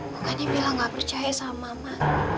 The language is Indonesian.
bukannya mila gak percaya sama mama